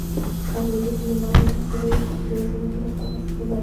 Admite, sin embargo, otra serie de configuraciones de las cuerdas secundarias.